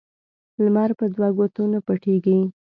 لمر په دوه ګوتو نه پټیږي